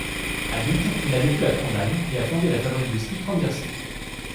Adulte, il a vécu à Trondheim, et a fondé la fabrique de skis Trønderski.